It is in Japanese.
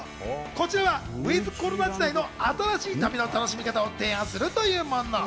こちらはｗｉｔｈコロナ時代の新しい旅の楽しみ方を提案するというもの。